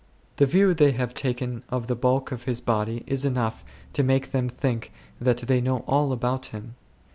The view they have taken of the bulk of his body is enough to make them think that they know all about him.